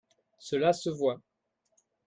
Cela se voit